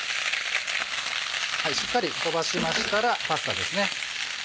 しっかり飛ばしましたらパスタですね。